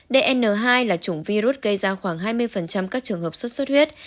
dn hai là chủng virus gây ra khoảng hai mươi các trường hợp suốt suốt huyết